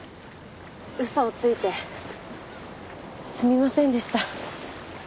嘘をついてすみませんでした。